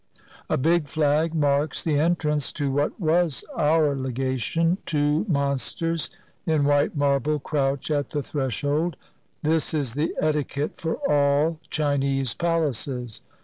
A big flag marks the entrance to what was our legation, two monsters in white marble crouch at the threshold; this is the etiquette for all Chinese palaces.